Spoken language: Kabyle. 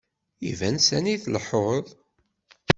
Iban sani tleḥḥuḍ.